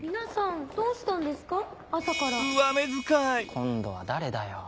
今度は誰だよ？